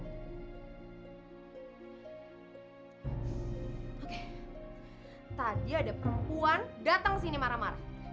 oke tadi ada perempuan datang sini marah marah